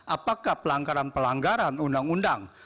apakah pelanggaran pelanggaran undang undang